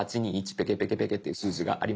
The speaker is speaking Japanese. ペケペケペケっていう数字がありますが。